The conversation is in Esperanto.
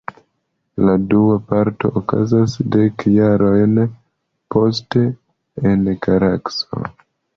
La dua parto okazas dek jarojn poste, en Karakaso.